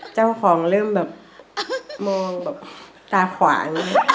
เจ้าของเริ่มแบบมองแบบตาขวาง